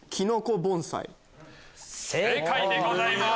正解でございます！